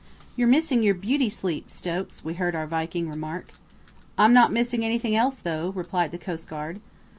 "You're missing your beauty sleep, Stokes," we heard our Viking remark. "I'm not missing anything else, though," replied the coastguard.